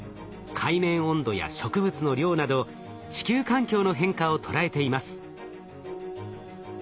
海面温度や植物の量など地球環境の変化を捉えています。